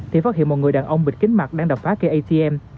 thì phát hiện một người đàn ông bịt kính mặt đang đập phá cây atm